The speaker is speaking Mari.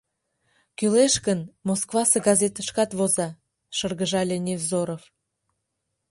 — Кӱлеш гын, Москвасе газетышкат воза, — шыргыжале Невзоров.